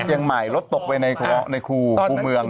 เชียงใหม่รถตกไปในครูเมือง